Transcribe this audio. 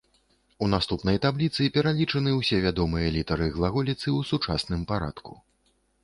У наступнай табліцы пералічаны ўсе вядомыя літары глаголіцы ў сучасным парадку.